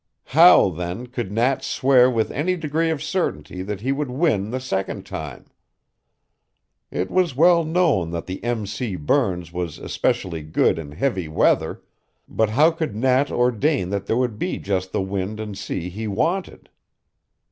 How, then, could Nat swear with any degree of certainty that he would win the second time. It was well known that the M. C. Burns was especially good in heavy weather, but how could Nat ordain that there would be just the wind and sea he wanted?